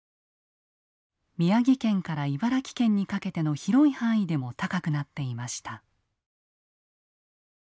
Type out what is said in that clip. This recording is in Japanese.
宮城県から茨城県にかけての広い範囲でも高くなっていました。